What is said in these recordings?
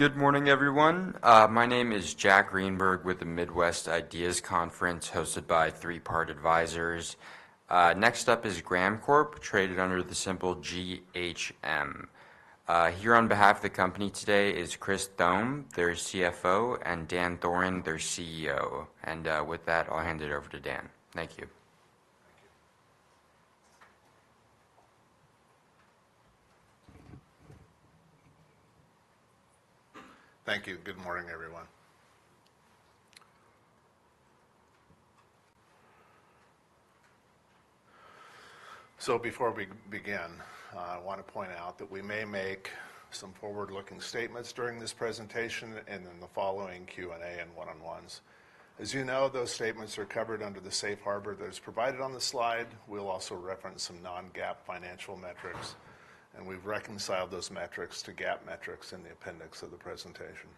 Good morning, everyone. My name is Jack Greenberg with the Midwest IDEAS Conference, hosted by Three Part Advisors. Next up is Graham Corp, traded under the symbol GHM. Here on behalf of the company today is Chris Thome, their CFO, and Dan Thoren, their CEO. And, with that, I'll hand it over to Dan. Thank you. Thank you. Thank you. Good morning, everyone. So before we begin, I want to point out that we may make some forward-looking statements during this presentation and in the following Q&A and one-on-ones. As you know, those statements are covered under the safe harbor that is provided on the slide. We'll also reference some non-GAAP financial metrics, and we've reconciled those metrics to GAAP metrics in the appendix of the presentation.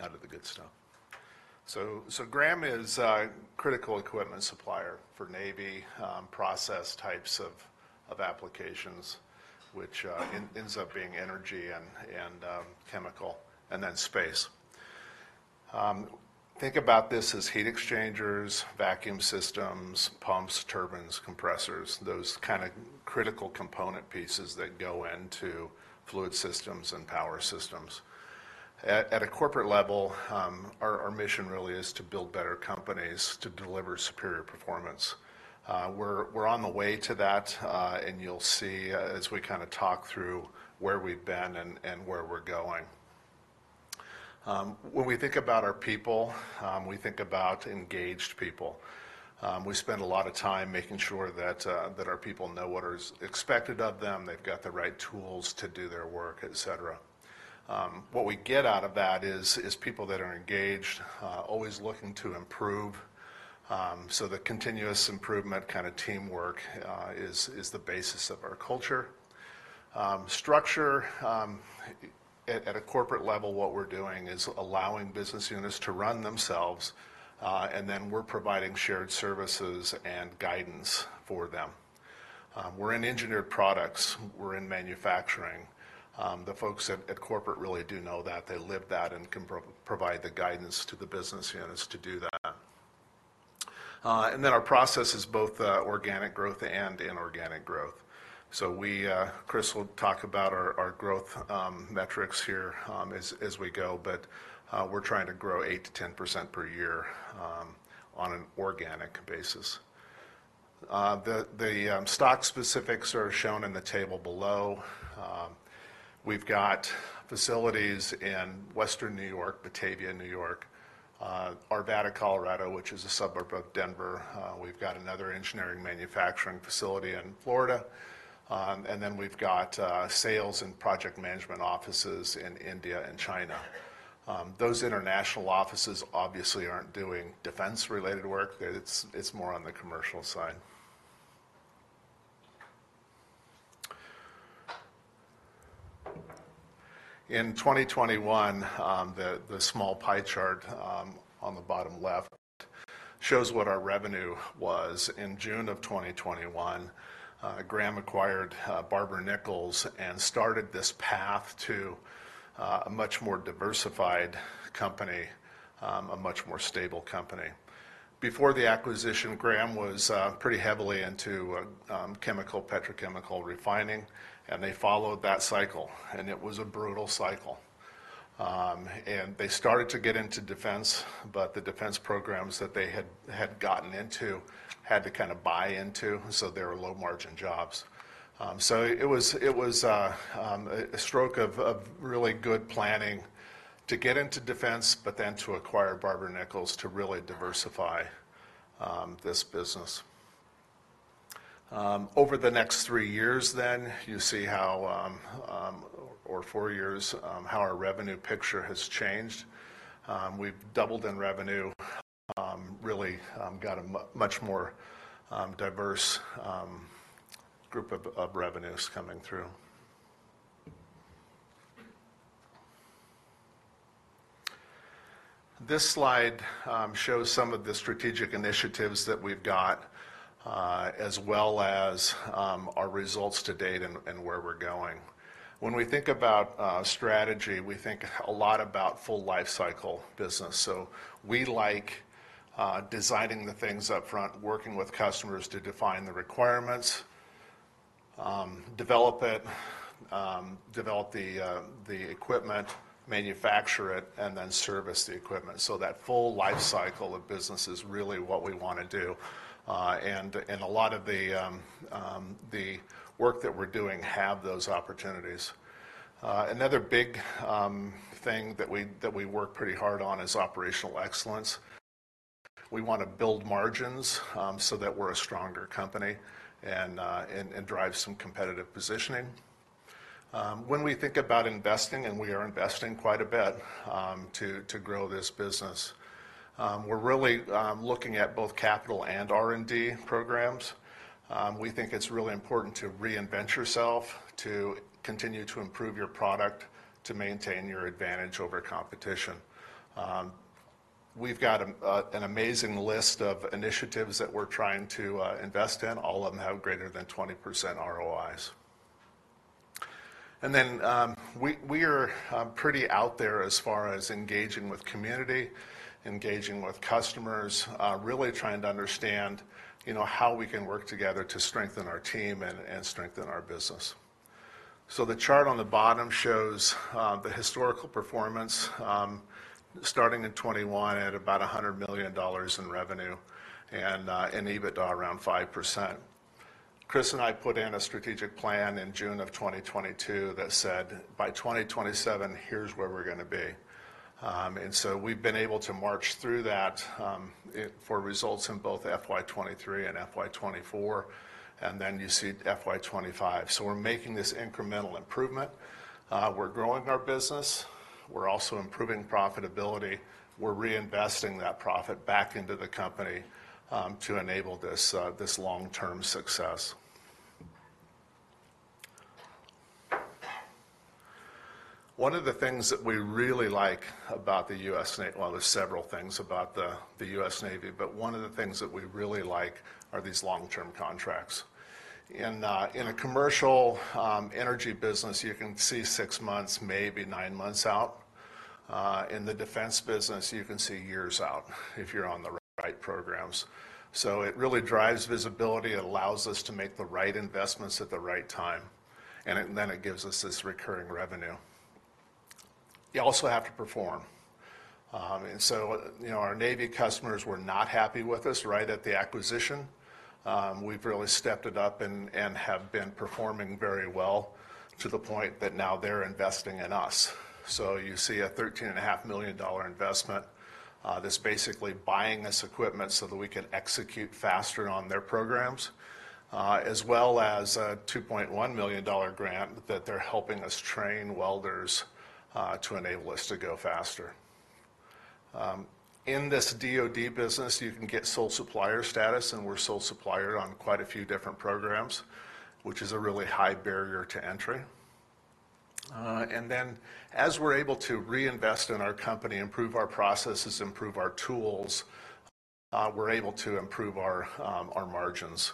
Now to the good stuff. So Graham is a critical equipment supplier for Navy process types of applications, which ends up being energy and chemical, and then space. Think about this as heat exchangers, vacuum systems, pumps, turbines, compressors, those kind of critical component pieces that go into fluid systems and power systems. At a corporate level, our mission really is to build better companies to deliver superior performance. We're on the way to that, and you'll see, as we kind of talk through where we've been and where we're going. When we think about our people, we think about engaged people. We spend a lot of time making sure that our people know what is expected of them, they've got the right tools to do their work, et cetera. What we get out of that is people that are engaged, always looking to improve. So the continuous improvement kind of teamwork is the basis of our culture. Structure at a corporate level, what we're doing is allowing business units to run themselves, and then we're providing shared services and guidance for them. We're in engineered products, we're in manufacturing. The folks at corporate really do know that, they live that, and can provide the guidance to the business units to do that. Our process is both organic growth and inorganic growth. Chris will talk about our growth metrics here, as we go, but, we're trying to grow 8%-10% per year, on an organic basis. The stock specifics are shown in the table below. We've got facilities in Western New York, Batavia, New York, Arvada, Colorado, which is a suburb of Denver. We've got another engineering manufacturing facility in Florida. And then we've got sales and project management offices in India and China. Those international offices obviously aren't doing defense-related work. It's more on the commercial side. In 2021, the small pie chart on the bottom left shows what our revenue was. In June of 2021, Graham acquired Barber-Nichols and started this path to a much more diversified company, a much more stable company. Before the acquisition, Graham was pretty heavily into chemical, petrochemical refining, and they followed that cycle, and it was a brutal cycle. And they started to get into defense, but the defense programs that they had gotten into had to kind of buy into, so they were low-margin jobs. So it was a stroke of really good planning to get into defense, but then to acquire Barber-Nichols to really diversify this business. Over the next three years then, you see how or four years, how our revenue picture has changed. We've doubled in revenue, really got a much more diverse group of revenues coming through. This slide shows some of the strategic initiatives that we've got, as well as our results to date and where we're going. When we think about strategy, we think a lot about full lifecycle business. So we like designing the things upfront, working with customers to define the requirements, develop it, develop the equipment, manufacture it, and then service the equipment. So that full lifecycle of business is really what we want to do. And a lot of the work that we're doing have those opportunities. Another big thing that we work pretty hard on is operational excellence. We want to build margins, so that we're a stronger company and drive some competitive positioning. When we think about investing, and we are investing quite a bit, to grow this business, we're really looking at both capital and R&D programs. We think it's really important to reinvent yourself, to continue to improve your product, to maintain your advantage over competition. We've got an amazing list of initiatives that we're trying to invest in. All of them have greater than 20% ROIs. Then we are pretty out there as far as engaging with community, engaging with customers, really trying to understand, you know, how we can work together to strengthen our team and strengthen our business. So the chart on the bottom shows the historical performance, starting in 2021 at about $100 million in revenue and an EBITDA around 5%. Chris and I put in a strategic plan in June 2022 that said, "By 2027, here's where we're gonna be." And so we've been able to march through that for results in both FY 2023 and FY 2024, and then you see FY 2025. So we're making this incremental improvement. We're growing our business. We're also improving profitability. We're reinvesting that profit back into the company to enable this long-term success. One of the things that we really like about the US Navy, well, there's several things about the US Navy, but one of the things that we really like are these long-term contracts. In a commercial energy business, you can see six months, maybe nine months out. In the defense business, you can see years out if you're on the right programs. So it really drives visibility. It allows us to make the right investments at the right time, and then it gives us this recurring revenue. You also have to perform. And so, you know, our Navy customers were not happy with us right at the acquisition. We've really stepped it up and have been performing very well, to the point that now they're investing in us, so you see a $13.5 million investment, that's basically buying this equipment so that we can execute faster on their programs, as well as a $2.1 million grant that they're helping us train welders to enable us to go faster. In this DoD business, you can get sole supplier status, and we're sole supplier on quite a few different programs, which is a really high barrier to entry. And then, as we're able to reinvest in our company, improve our processes, improve our tools, we're able to improve our margins,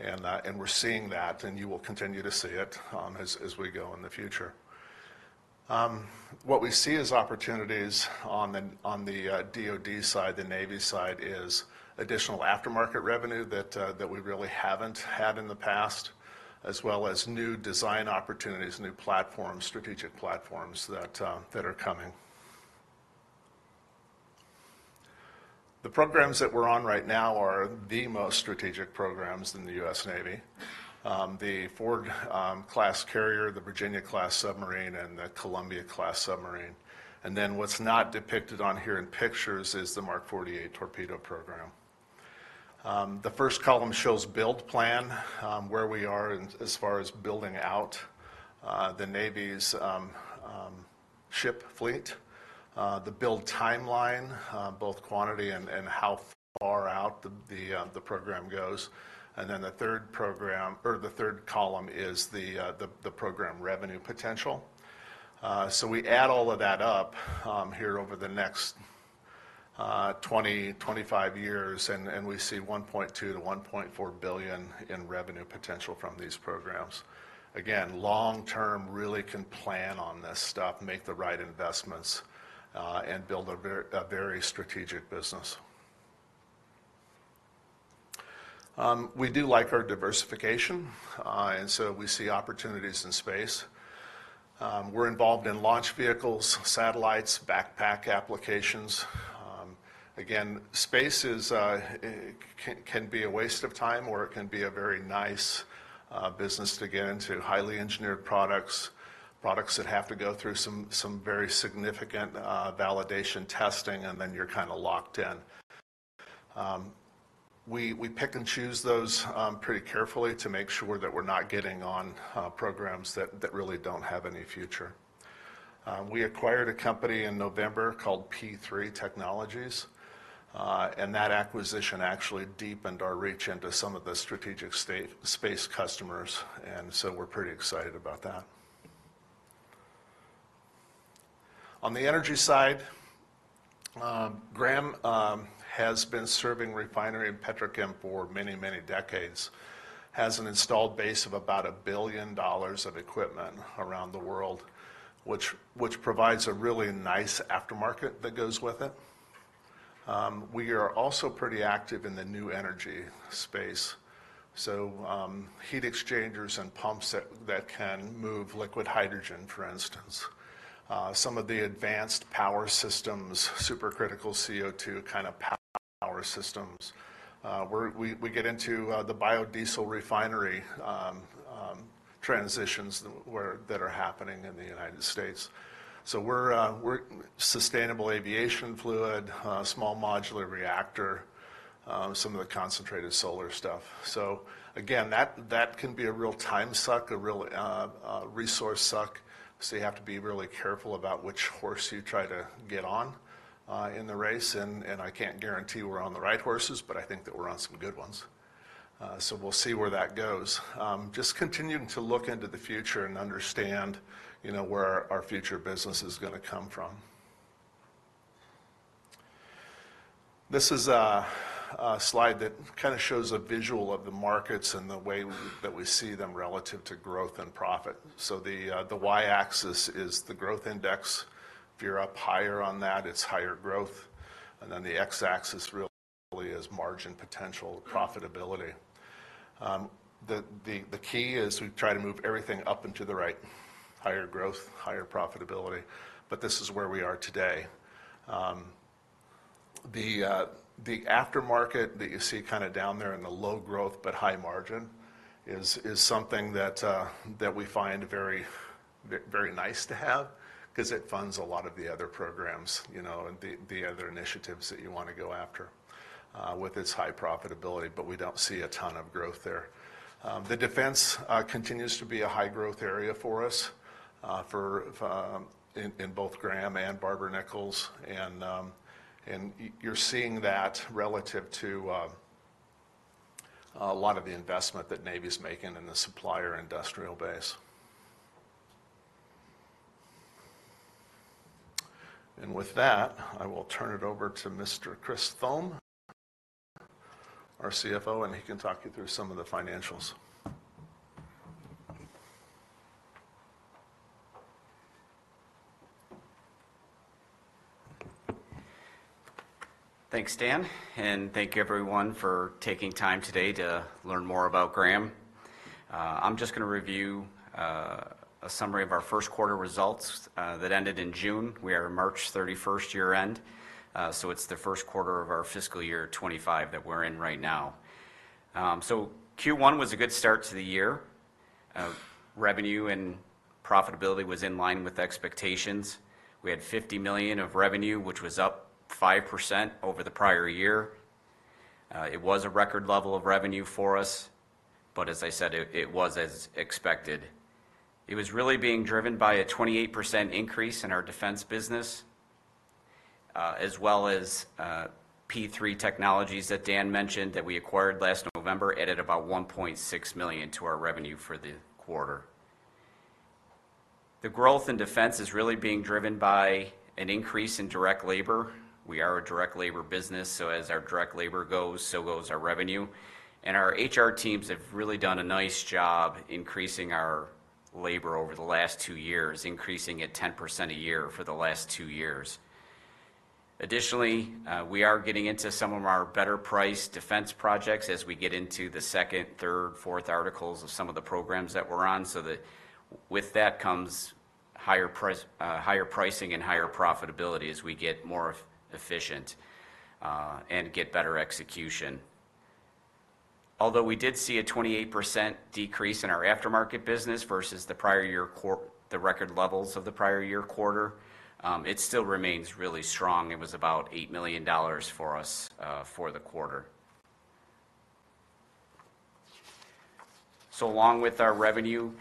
and we're seeing that, and you will continue to see it, as we go in the future. What we see as opportunities on the DoD side, the Navy side, is additional aftermarket revenue that we really haven't had in the past, as well as new design opportunities, new platforms, strategic platforms, that are coming. The programs that we're on right now are the most strategic programs in the U.S. Navy: the Ford class carrier, the Virginia class submarine, and the Columbia class submarine, and then what's not depicted on here in pictures is the Mark 48 torpedo program. The first column shows build plan, where we are as far as building out the Navy's ship fleet, the build timeline, both quantity and how far out the program goes, and then the third program or the third column is the program revenue potential. So we add all of that up here over the next 20-25 years, and we see $1.2-$1.4 billion in revenue potential from these programs. Again, long term, really can plan on this stuff, make the right investments, and build a very strategic business. We do like our diversification, and so we see opportunities in space. We're involved in launch vehicles, satellites, backpack applications. Again, space is it can be a waste of time, or it can be a very nice business to get into: highly engineered products, products that have to go through some very significant validation testing, and then you're kinda locked in. We pick and choose those pretty carefully to make sure that we're not getting on programs that really don't have any future. We acquired a company in November called P3 Technologies, and that acquisition actually deepened our reach into some of the strategic space customers, and so we're pretty excited about that. On the energy side, Graham has been serving refinery and petrochem for many, many decades, has an installed base of about $1 billion of equipment around the world, which provides a really nice aftermarket that goes with it. We are also pretty active in the new energy space, so heat exchangers and pumps that can move liquid hydrogen, for instance, some of the advanced power systems, supercritical CO2 kind of power systems. We get into the biodiesel refinery transitions that are happening in the United States. So we're sustainable aviation fluid, small modular reactor, some of the concentrated solar stuff. So again, that can be a real time suck, a real resource suck, so you have to be really careful about which horse you try to get on in the race. And I can't guarantee we're on the right horses, but I think that we're on some good ones. So we'll see where that goes. Just continuing to look into the future and understand, you know, where our future business is gonna come from. This is a slide that kinda shows a visual of the markets and the way that we see them relative to growth and profit. So the y-axis is the growth index. If you're up higher on that, it's higher growth, and then the x-axis really is margin potential profitability. The key is we try to move everything up and to the right, higher growth, higher profitability, but this is where we are today. The aftermarket that you see kinda down there in the low growth but high margin is something that we find very, very nice to have 'cause it funds a lot of the other programs, you know, and the other initiatives that you wanna go after, with its high profitability, but we don't see a ton of growth there. The defense continues to be a high growth area for us in both Graham and Barber-Nichols, and you're seeing that relative to a lot of the investment that Navy's making in the supplier industrial base. And with that, I will turn it over to Mr. Chris Thome, our CFO, and he can talk you through some of the financials. Thanks, Dan, and thank you, everyone, for taking time today to learn more about Graham. I'm just gonna review a summary of our first quarter results that ended in June. We are a March thirty-first year-end, so it's the first quarter of our fiscal year 2025 that we're in right now. So Q1 was a good start to the year. Revenue and profitability was in line with expectations. We had $50 million of revenue, which was up 5% over the prior year. It was a record level of revenue for us, but as I said, it was as expected. It was really being driven by a 28% increase in our defense business, as well as P3 Technologies that Dan mentioned, that we acquired last November, added about $1.6 million to our revenue for the quarter. The growth in defense is really being driven by an increase in direct labor. We are a direct labor business, so as our direct labor goes, so goes our revenue. And our HR teams have really done a nice job increasing our labor over the last two years, increasing it 10% a year for the last two years. Additionally, we are getting into some of our better priced defense projects as we get into the second, third, fourth articles of some of the programs that we're on, so with that comes higher pricing and higher profitability as we get more efficient, and get better execution. Although we did see a 28% decrease in our aftermarket business versus the record levels of the prior year quarter, it still remains really strong. It was about $8 million for us, for the quarter. So along with our revenue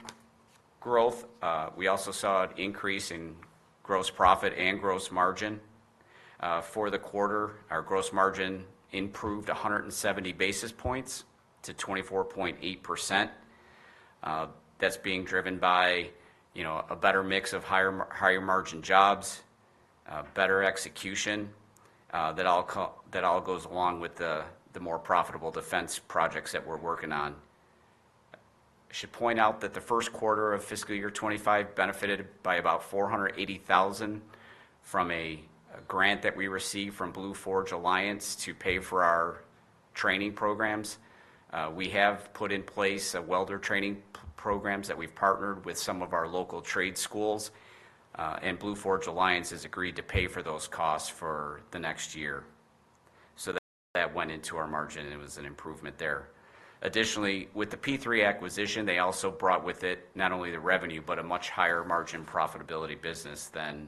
growth, we also saw an increase in gross profit and gross margin. For the quarter, our gross margin improved 170 basis points to 24.8%. That's being driven by, you know, a better mix of higher margin jobs, better execution, that all goes along with the more profitable defense projects that we're working on. I should point out that the first quarter of fiscal year 2025 benefited by about $480,000 from a grant that we received from BlueForge Alliance to pay for our training programs. We have put in place a welder training programs that we've partnered with some of our local trade schools, and BlueForge Alliance has agreed to pay for those adjusted for those costs for the next year, so that went into our margin, and it was an improvement there. Additionally, with the P3 acquisition, they also brought with it not only the revenue, but a much higher margin profitability business than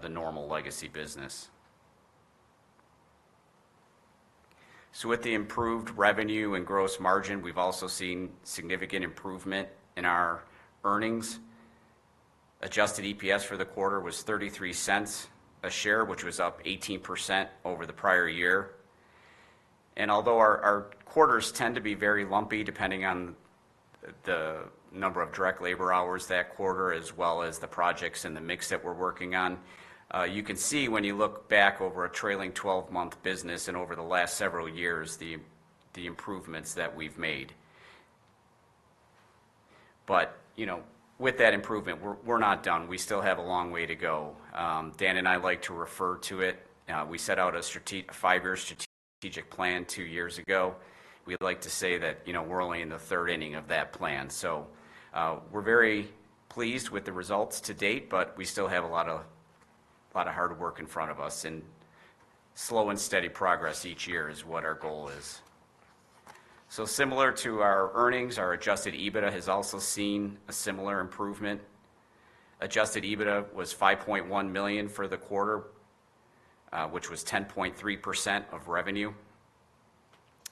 the normal legacy business, so with the improved revenue and gross margin, we've also seen significant improvement in our earnings. Adjusted EPS for the quarter was $0.33 a share, which was up 18% over the prior year. And although our quarters tend to be very lumpy, depending on the number of direct labor hours that quarter, as well as the projects and the mix that we're working on, you can see when you look back over a trailing twelve-month business and over the last several years, the improvements that we've made. But, you know, with that improvement, we're not done. We still have a long way to go. Dan and I like to refer to it, we set out a five-year strategic plan two years ago. We'd like to say that, you know, we're only in the third inning of that plan. We're very pleased with the results to date, but we still have a lot of hard work in front of us, and slow and steady progress each year is what our goal is. Similar to our earnings, our adjusted EBITDA has also seen a similar improvement. Adjusted EBITDA was $5.1 million for the quarter, which was 10.3% of revenue,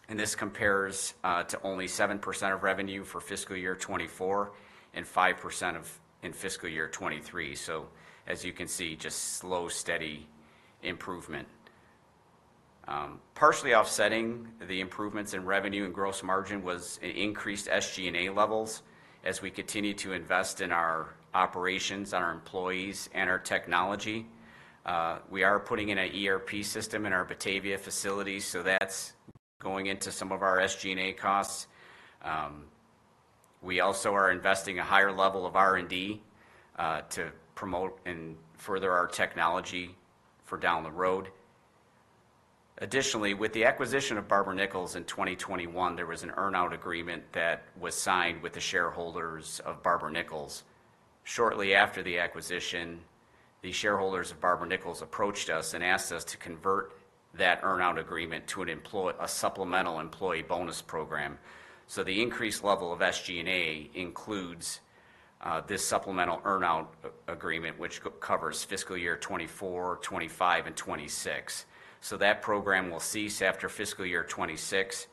and this compares to only 7% of revenue for fiscal year 2024 and 5% in fiscal year 2023. So as you can see, just slow, steady improvement. Partially offsetting the improvements in revenue and gross margin was increased SG&A levels, as we continue to invest in our operations, on our employees, and our technology. We are putting in an ERP system in our Batavia facility, so that's going into some of our SG&A costs. We also are investing a higher level of R&D to promote and further our technology for down the road. Additionally, with the acquisition of Barber-Nichols in 2021, there was an earn-out agreement that was signed with the shareholders of Barber-Nichols. Shortly after the acquisition, the shareholders of Barber-Nichols approached us and asked us to convert that earn-out agreement to a supplemental employee bonus program. So the increased level of SG&A includes this supplemental earn-out agreement, which covers fiscal year 2024, 2025, and 2026. So that program will cease after fiscal year 2026,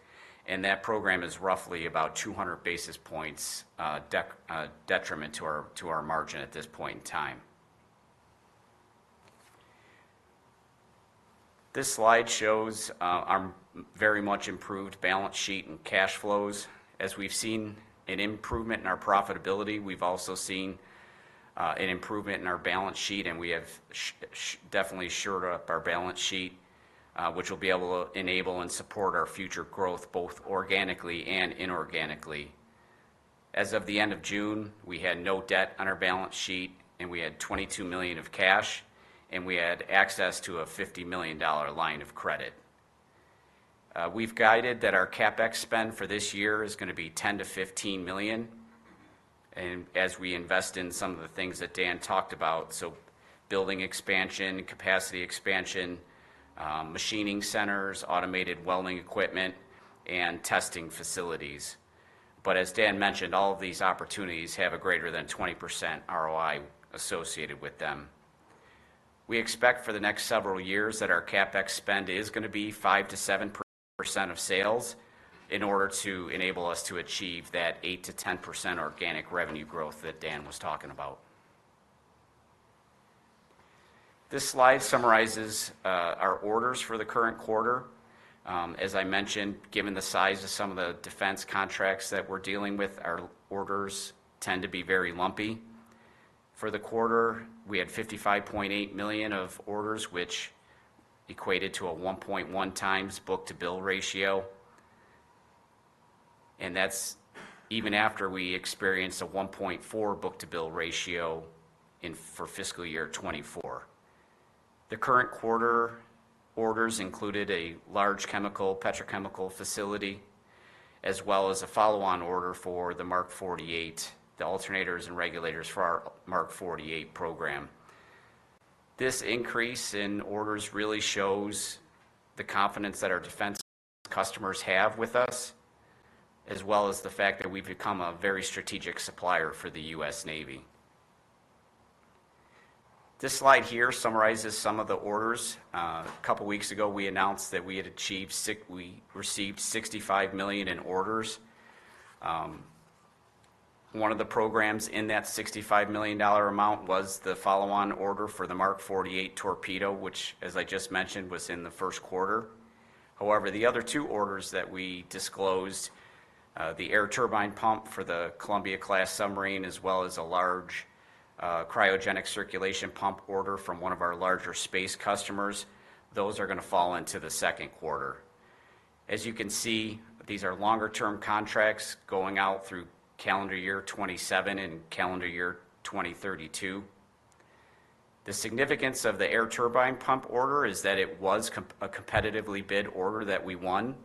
and that program is roughly about two hundred basis points detriment to our margin at this point in time. This slide shows our very much improved balance sheet and cash flows. As we've seen an improvement in our profitability, we've also seen an improvement in our balance sheet, and we have definitely shored up our balance sheet, which will be able to enable and support our future growth, both organically and inorganically. As of the end of June, we had no debt on our balance sheet, and we had $22 million of cash, and we had access to a $50 million line of credit. We've guided that our CapEx spend for this year is gonna be $10-$15 million, and as we invest in some of the things that Dan talked about, so building expansion, capacity expansion, machining centers, automated welding equipment, and testing facilities. But as Dan mentioned, all of these opportunities have a greater than 20% ROI associated with them. We expect for the next several years that our CapEx spend is gonna be 5%-7% of sales in order to enable us to achieve that 8%-10% organic revenue growth that Dan was talking about. This slide summarizes our orders for the current quarter. As I mentioned, given the size of some of the defense contracts that we're dealing with, our orders tend to be very lumpy. For the quarter, we had $55.8 million of orders, which equated to a 1.1 times book-to-bill ratio, and that's even after we experienced a 1.4 book-to-bill ratio for fiscal year 2024. The current quarter orders included a large chemical, petrochemical facility, as well as a follow-on order for the Mark 48, the alternators and regulators for our Mark 48 program. This increase in orders really shows the confidence that our defense customers have with us, as well as the fact that we've become a very strategic supplier for the U.S. Navy. This slide here summarizes some of the orders. A couple of weeks ago, we announced that we received $65 million in orders. One of the programs in that $65 million amount was the follow-on order for the Mark 48 torpedo, which, as I just mentioned, was in the first quarter. However, the other two orders that we disclosed, the air turbine pump for the Columbia-class submarine, as well as a large, cryogenic circulation pump order from one of our larger space customers, those are gonna fall into the second quarter. As you can see, these are longer-term contracts going out through calendar year 2027 and calendar year 2032. The significance of the air turbine pump order is that it was a competitively bid order that we won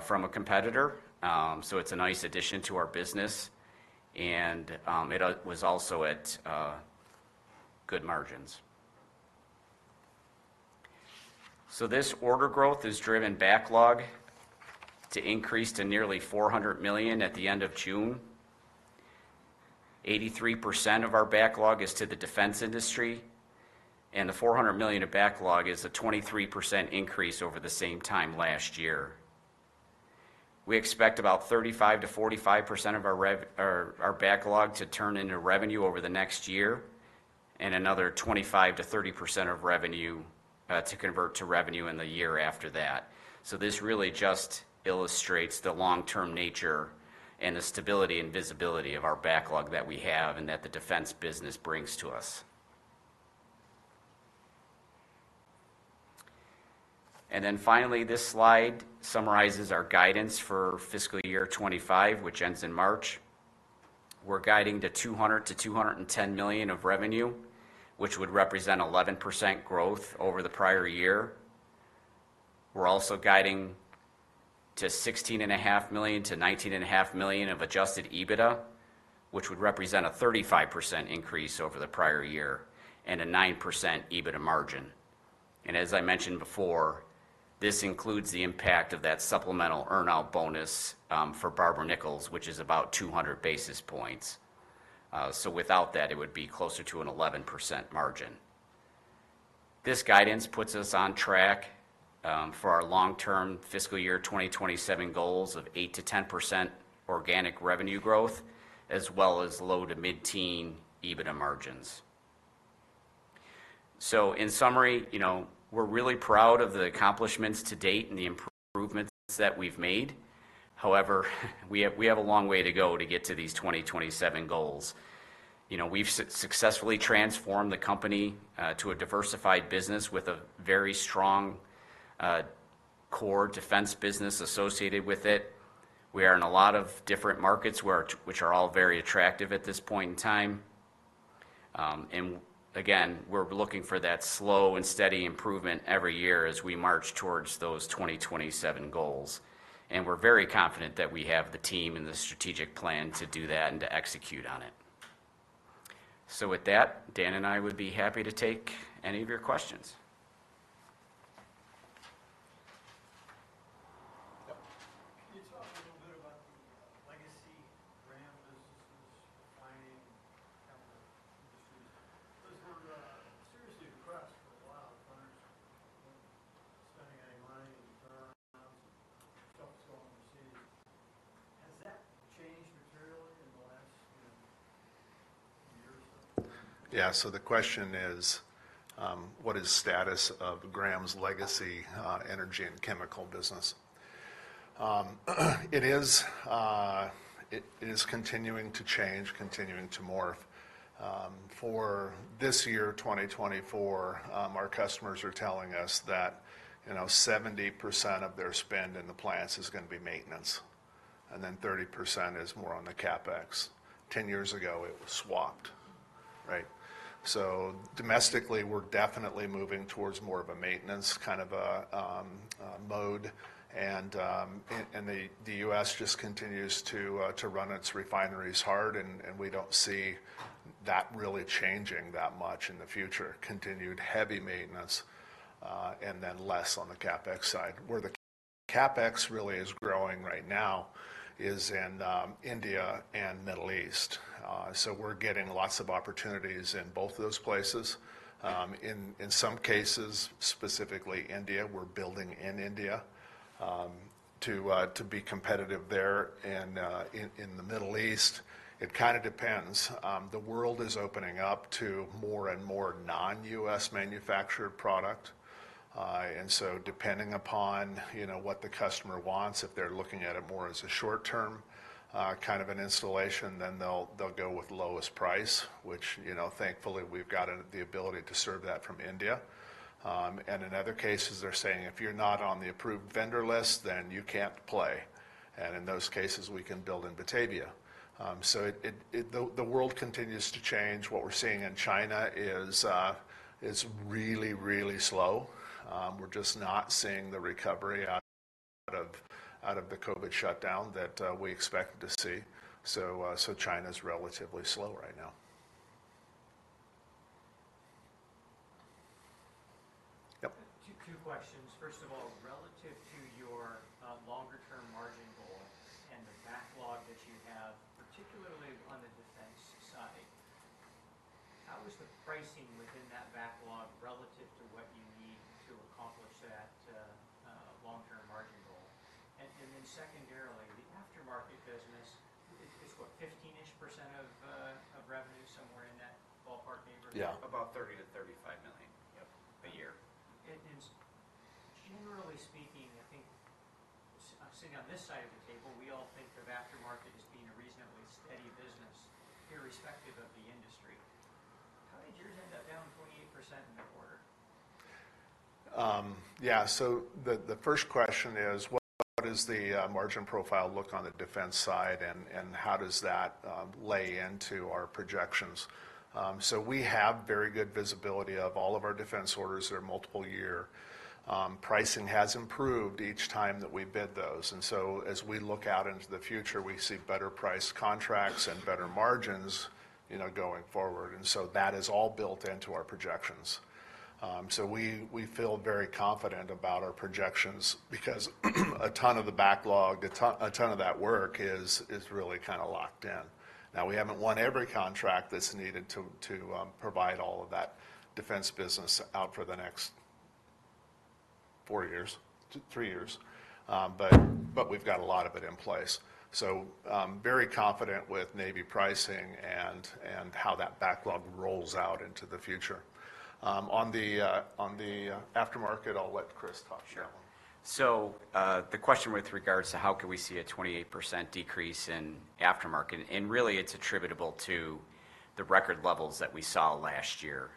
from a competitor. So it's a nice addition to our business, and it was also at good margins. So this order growth has driven backlog to increase to nearly $400 million at the end of June. 83% of our backlog is to the defense industry, and the $400 million of backlog is a 23% increase over the same time last year. We expect about 35%-45% of our backlog to turn into revenue over the next year, and another 25%-30% of revenue to convert to revenue in the year after that. So this really just illustrates the long-term nature and the stability and visibility of our backlog that we have and that the defense business brings to us. And then finally, this slide summarizes our guidance for fiscal year twenty-five, which ends in March. We're guiding to $200-$210 million of revenue, which would represent 11% growth over the prior year. We're also guiding to $16.5-$19.5 million of adjusted EBITDA, which would represent a 35% increase over the prior year and a 9% EBITDA margin. And as I mentioned before, this includes the impact of that supplemental earn-out bonus for Barber-Nichols, which is about 200 basis points. So without that, it would be closer to an 11% margin. This guidance puts us on track for our long-term fiscal year twenty twenty-seven goals of 8%-10% organic revenue growth, as well as low- to mid-teen EBITDA margins. So in summary, you know, we're really proud of the accomplishments to date and the improvements that we've made. However, we have a long way to go to get to these twenty twenty-seven goals. You know, we've successfully transformed the company to a diversified business with a very strong core defense business associated with it. We are in a lot of different markets, which are all very attractive at this point in time. And again, we're looking for that slow and steady improvement every year as we march towards those twenty twenty-seven goals. And we're very confident that we have the team and the strategic plan to do that and to execute on it. So with that, Dan and I would be happy to take any of your questions. Yep. Can you talk a little bit about the legacy brand businesses, mining, and chemical industries? Because we're seriously depressed for a while. Customers weren't spending any money and turnarounds and focus on receiving. Has that changed materially in the last, you know, years? Yeah. So the question is, what is status of Graham's legacy energy and chemical business? It is continuing to change, continuing to morph. For this year, 2024, our customers are telling us that, you know, 70% of their spend in the plants is gonna be maintenance, and then 30% is more on the CapEx. 10 years ago, it was swapped, right? So domestically, we're definitely moving towards more of a maintenance, kind of a, mode. And the US just continues to run its refineries hard, and we don't see that really changing that much in the future. Continued heavy maintenance, and then less on the CapEx side. Where the CapEx really is growing right now is in India and Middle East. So we're getting lots of opportunities in both of those places. In some cases, specifically India, we're building in India to be competitive there. And in the Middle East, it kind of depends. The world is opening up to more and more non-U.S. manufactured product. And so depending upon, you know, what the customer wants, if they're looking at it more as a short-term kind of an installation, then they'll go with lowest price, which, you know, thankfully, we've got the ability to serve that from India. And in other cases, they're saying, "If you're not on the approved vendor list, then you can't play." And in those cases, we can build in Batavia. The world continues to change. What we're seeing in China is really, really slow. We're just not seeing the recovery out of the COVID shutdown that we expected to see. So, China's relatively slow right now. Yep. Two, two questions. First of all, relative to your longer term margin goal and the backlog that you have, particularly on the defense side, how is the pricing within that backlog relative to what you need to accomplish that long-term margin goal? And, and then secondarily, the aftermarket business is, is what? 15-ish% of revenue, somewhere in that ballpark neighborhood? Yeah. About $30-$35 million a year. Generally speaking, I think sitting on this side of the table, we all think of aftermarket as being a reasonably steady business, irrespective of the industry. How did yours end up down 28% in the quarter? Yeah. So the first question is, what does the margin profile look like on the defense side, and how does that play into our projections? So we have very good visibility of all of our defense orders. They're multi-year. Pricing has improved each time that we bid those, and so as we look out into the future, we see better-priced contracts and better margins, you know, going forward. And so that is all built into our projections. So we feel very confident about our projections because a ton of the backlog, a ton, a ton of that work is really kind of locked in. Now, we haven't won every contract that's needed to provide all of that defense business out for the next four years, two, three years. We've got a lot of it in place. Very confident with Navy pricing and how that backlog rolls out into the future. On the aftermarket, I'll let Chris talk. Sure. So, the question with regards to how can we see a 28% decrease in aftermarket, and really it's attributable to the record levels that we saw last year.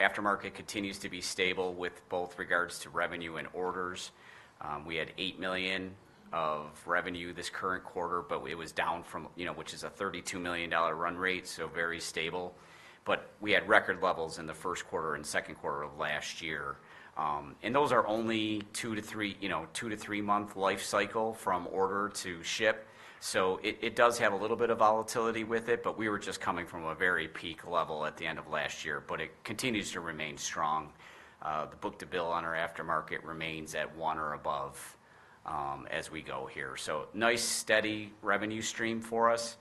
Aftermarket continues to be stable with both regards to revenue and orders. We had $8 million of revenue this current quarter, but it was down from, you know, which is a $32 million run rate, so very stable. But we had record levels in the first quarter and second quarter of last year. And those are only two to three, you know, two- to three-month life cycle from order to ship. So it, it does have a little bit of volatility with it, but we were just coming from a very peak level at the end of last year, but it continues to remain strong. The book-to-bill on our aftermarket remains at one or above, as we go here, so nice, steady revenue stream for us,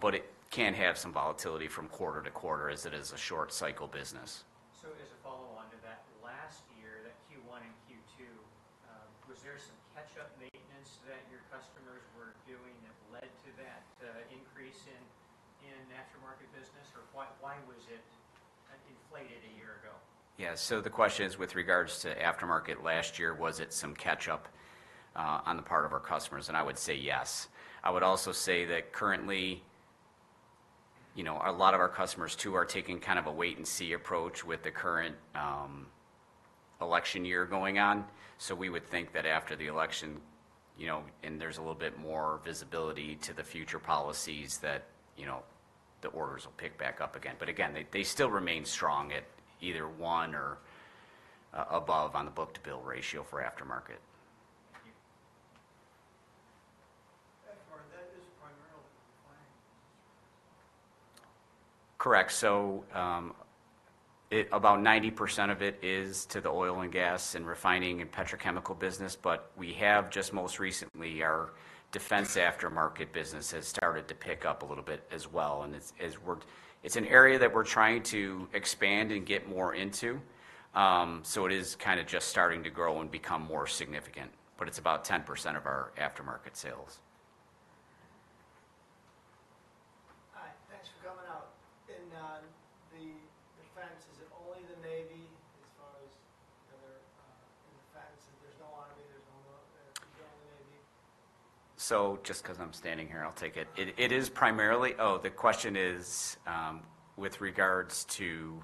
but it can have some volatility from quarter to quarter as it is a short cycle business. So as a follow-on to that, last year, that Q1 and Q2, was there some catch-up maintenance that your customers were doing that led to that increase in aftermarket business? Or why was it inflated a year ago? Yeah. So the question is with regards to aftermarket last year, was it some catch-up on the part of our customers? And I would say yes. I would also say that currently, you know, a lot of our customers, too, are taking kind of a wait and see approach with the current election year going on. So we would think that after the election, you know, and there's a little bit more visibility to the future policies that, you know, the orders will pick back up again. But again, they still remain strong at either one or above on the book-to-bill ratio for aftermarket. Thank you. And that is primarily declining, correct? Correct. So, about 90% of it is to the oil and gas and refining and petrochemical business, but we have just most recently, our defense aftermarket business has started to pick up a little bit as well, and it's an area that we're trying to expand and get more into. So it is kinda just starting to grow and become more significant, but it's about 10% of our aftermarket sales. Hi, thanks for coming out. In the defense, is it only the Navy as far as, you know, there in defense, there's no Army, there's no only Navy? So just 'cause I'm standing here, I'll take it. It is primarily the question is, with regards to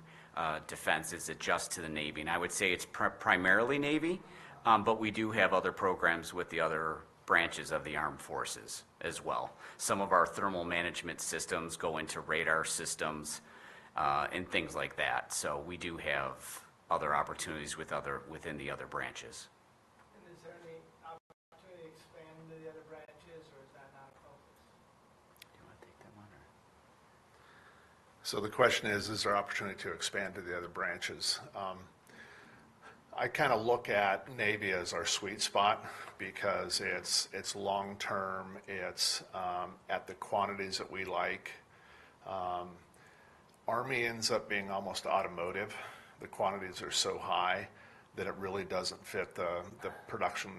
defense, is it just to the Navy? And I would say it's primarily Navy, but we do have other programs with the other branches of the armed forces as well. Some of our thermal management systems go into radar systems, and things like that. So we do have other opportunities with other within the other branches. Is there any opportunity to expand to the other branches, or is that not a focus? Do you want to take that one or? So the question is, is there opportunity to expand to the other branches? I kind of look at Navy as our sweet spot because it's long term, it's at the quantities that we like. Army ends up being almost automotive. The quantities are so high that it really doesn't fit the production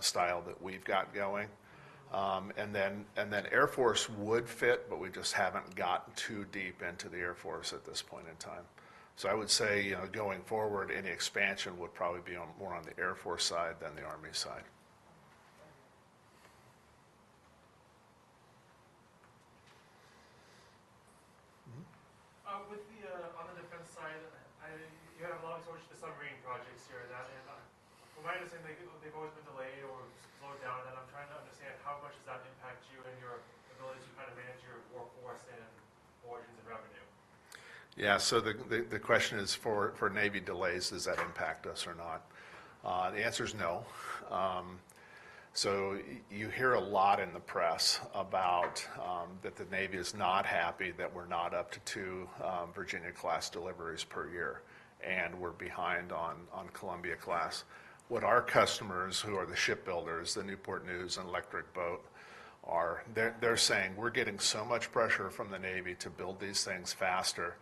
style that we've got going. And then Air Force would fit, but we just haven't gotten too deep into the Air Force at this point in time. So I would say, you know, going forward, any expansion would probably be more on the Air Force side than the Army side. On the defense side, you had a lot of exposure to submarine projects here, that and from my understanding, they've always been delayed or slowed down, and I'm trying to understand how much does that impact you and your ability to kind of manage your workforce and margins and revenue? Yeah. So the question is for Navy delays, does that impact us or not? The answer is no. So you hear a lot in the press about that the Navy is not happy, that we're not up to two Virginia class deliveries per year, and we're behind on Columbia class. What our customers, who are the shipbuilders, the Newport News and Electric Boat, are saying, "We're getting so much pressure from the Navy to build these things faster.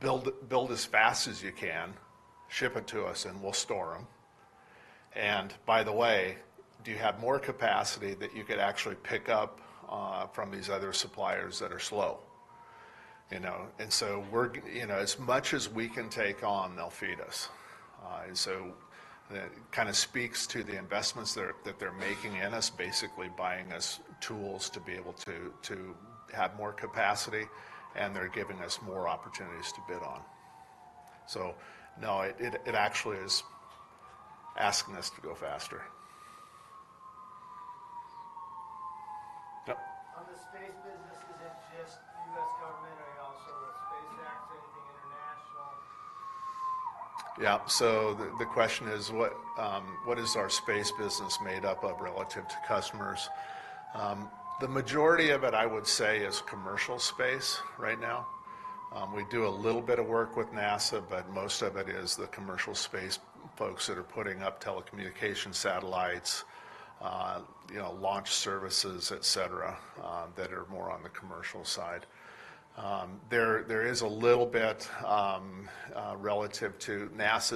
Build as fast as you can, ship it to us, and we'll store them. And by the way, do you have more capacity that you could actually pick up from these other suppliers that are slow?" You know, and so we're, you know, as much as we can take on, they'll feed us. And so that kind of speaks to the investments that they're making in us, basically buying us tools to be able to have more capacity, and they're giving us more opportunities to bid on. So no, it actually is asking us to go faster. Yep. On the space business, is it just the U.S. government, or are you also SpaceX, anything international? Yeah, so the question is, what is our space business made up of relative to customers? The majority of it, I would say, is commercial space right now. We do a little bit of work with NASA, but most of it is the commercial space folks that are putting up telecommunication satellites, you know, launch services, et cetera, that are more on the commercial side. There is a little bit relative to NASA's-